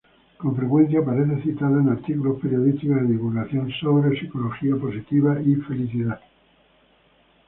Con frecuencia aparece citada en artículos periodísticos de divulgación sobre psicología positiva y felicidad.